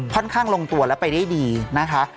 ค่อนข้างลงตัวแล้วไปได้ดีนะคะ